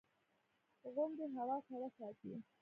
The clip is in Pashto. • غونډۍ هوا سړه ساتي.